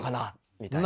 みたいな。